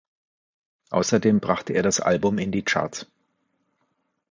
Außerdem brachte er das Album in die Charts.